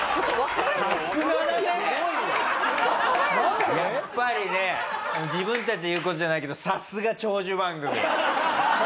やっぱりね自分たちで言う事じゃないけどさすが長寿番組。